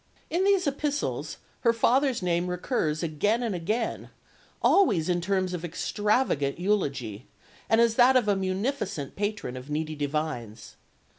In these epistles her father's name recurs again and again, always in terms of extravagant eulogy, and as that of a munificent patron of needy divines.